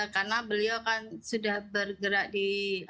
karena beliau kan sudah bergerak di